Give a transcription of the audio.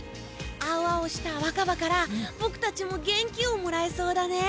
青々した若葉から僕たちも元気をもらえそうだね！